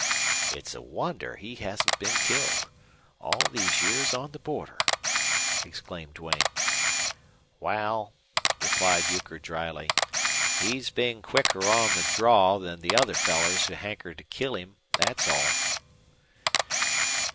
"It's a wonder he hasn't been killed. All these years on the border!" exclaimed Duane. "Wal," replied Euchre, dryly, "he's been quicker on the draw than the other fellers who hankered to kill him, thet's all."